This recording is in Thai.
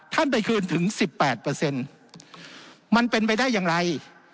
ท่านไปคืนถึงสิบแปดเปอร์เซ็นต์มันเป็นไปได้อย่างไร